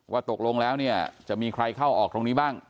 ตกลงแล้วเนี่ยจะมีใครเข้าออกตรงนี้บ้าง